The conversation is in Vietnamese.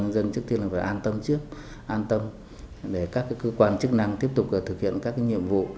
dân trước tiên là phải an tâm trước an tâm để các cơ quan chức năng tiếp tục thực hiện các nhiệm vụ